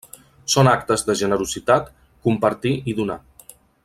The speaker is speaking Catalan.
Són actes de generositat: compartir i donar.